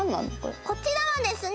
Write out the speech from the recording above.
こちらはですね